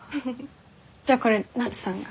じゃあこれ菜津さんが？